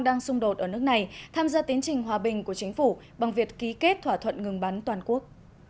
đang xung đột ở nước này tham gia tiến trình hòa bình của chính phủ bằng việc ký kết thỏa thuận ngừng bắn toàn quốc